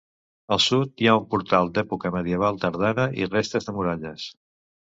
Al sud hi ha un portal d'època medieval tardana i restes de muralles.